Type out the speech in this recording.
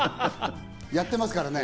やってますからね。